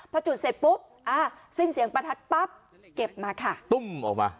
พอจุดเสร็จปุ๊บอ่าสิ้นเสียงประทัดปั๊บเก็บมาค่ะตุ้มออกมา